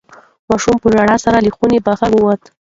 ماشوم په ژړا سره له خونې بهر ووت.